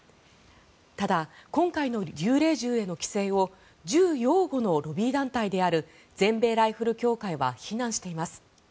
ただ、今回の幽霊銃への規制を銃擁護のロビー団体である全米ライフル協会は非難しています。